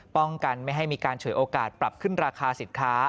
ป้องกันไม่ให้มีการฉวยโอกาสปรับขึ้นราคาสินค้า